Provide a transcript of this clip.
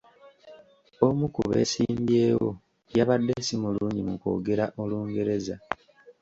Omu ku beesimbyewo yabadde si mulungi mu kwogera Olungereza.